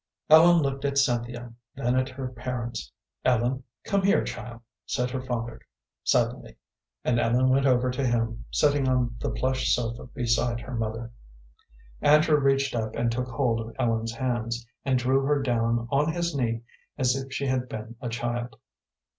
Ellen looked at Cynthia, then at her parents. "Ellen, come here, child," said her father, suddenly, and Ellen went over to him, sitting on the plush sofa beside her mother. Andrew reached up and took hold of Ellen's hands, and drew her down on his knee as if she had been a child.